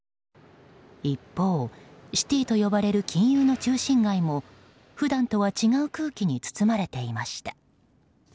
一方、シティーと呼ばれる金融の中心街も普段とは違う空気に包まれていました。